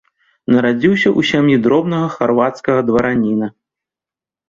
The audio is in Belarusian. Нарадзіўся ў сям'і дробнага харвацкага двараніна.